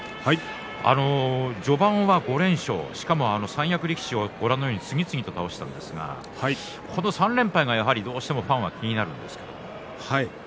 序盤は５連勝、しかも三役力士次々と倒したんですがこの３連敗が、どうしてもファンは気になるんですけど。